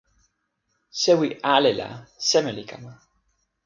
sewi ale la seme li kama?